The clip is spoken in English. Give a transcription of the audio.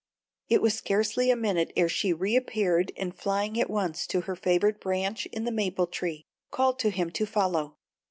It was scarcely a minute ere she reappeared, and, flying at once to her favorite branch in the maple tree, called to him to follow.